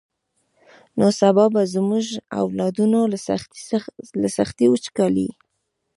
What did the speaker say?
نو سبا به زمونږ اولادونه له سختې وچکالۍ.